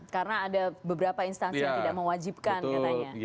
karena ada beberapa instansi yang tidak mewajibkan katanya